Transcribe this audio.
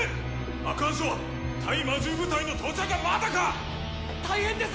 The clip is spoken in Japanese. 魔関署は⁉対魔獣部隊の到着はまだか⁉大変です！